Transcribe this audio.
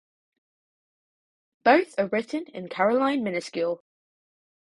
Both are written in Caroline minuscule.